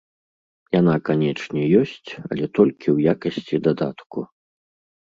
Яна канечне ёсць, але толькі ў якасці дадатку.